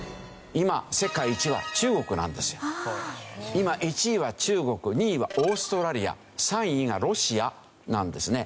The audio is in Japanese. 今１位は中国２位はオーストラリア３位がロシアなんですね。